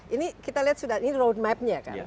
ini kita lihat sudah ini road mapnya ya kan